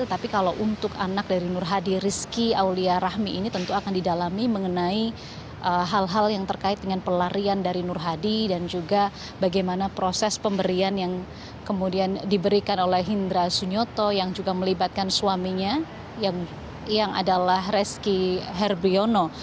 tapi kalau untuk anak dari nur hadi rizky aulia rahmi ini tentu akan didalami mengenai hal hal yang terkait dengan pelarian dari nur hadi dan juga bagaimana proses pemberian yang kemudian diberikan oleh hindra sunyoto yang juga melibatkan suaminya yang adalah reski herbriono